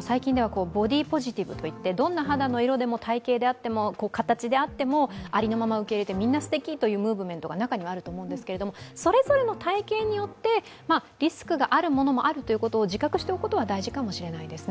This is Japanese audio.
最近ではボディポジティブといって、どんな肌の色でも体型であっても、形であってもありのまま受け入れてみんなすてきというムーブメントが中にはあると思うんですがそれぞれの体型によってリスクがあるものもあるということを自覚しておくことは大事かもしれないですね。